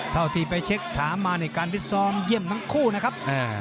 เท่าที่ไปเช็คถามมาในการพิซ้อมเยี่ยมทั้งคู่นะครับ